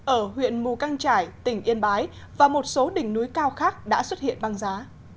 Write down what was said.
ở huyện mù căng trải tỉnh yên bái và một số đỉnh núi cao khác đã xuất hiện băng giá